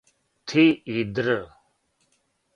Ти и др.